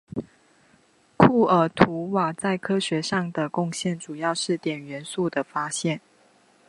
库尔图瓦在科学上的贡献主要是碘元素的发现。